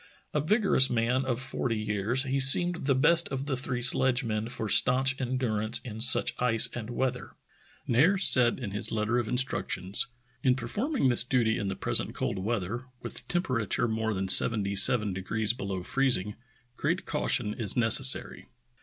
A vigorous man of forty years, he seemed the best of the three sledgemen for stanch endurance in such ice and weather. Nares said in his letter of instructions: "In perform ing this duty in the present cold weather, with the temperature more than seventy seven degrees below freezing, great caution is necessary."